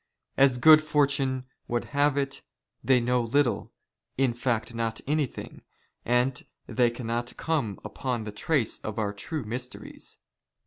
" As good fortune would have it, they know little, in fact not " anything, and they cannot come upon the trace of our true " mysteries.